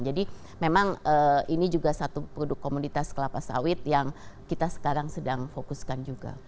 jadi memang ini juga satu produk komunitas kelapa sawit yang kita sekarang sedang fokuskan juga